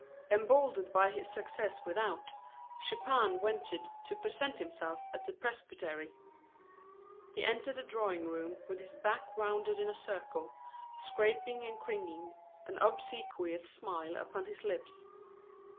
Emboldened by his success without, Chupin ventured to present himself at the presbytery. He entered the drawing room with his back rounded into a circle, scraping and cringing, an obsequious smile upon his lips.